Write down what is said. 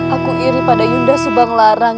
aku iri pada yunda subanglarang